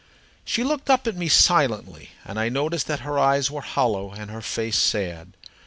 She looked up at me silently, and I noticed that her eyes were hollow, and her face sad.